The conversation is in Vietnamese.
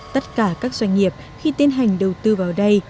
tất cả các doanh nghiệp khi tiến hành đầu tư vào đây